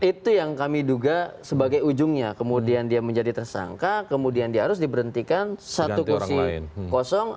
itu yang kami duga sebagai ujungnya kemudian dia menjadi tersangka kemudian dia harus diberhentikan satu kursi kosong